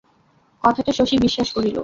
কথাটা শশী বিশ্বাস করিল।